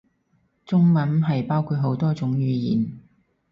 中文係包括好多種語言